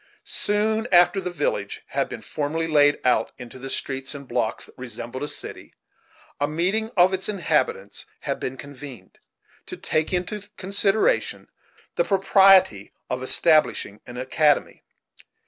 Soon after the village had been formally laid out into the streets and blocks that resembled a city, a meeting of its inhabitants had been convened, to take into consideration the propriety of establishing an academy.